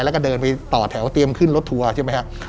แล้วก็เดินไปต่อแถวเตรียมขึ้นรถทัวร์ใช่ไหมครับ